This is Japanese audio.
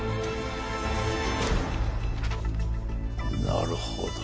なるほど。